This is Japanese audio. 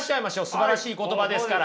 すばらしい言葉ですから。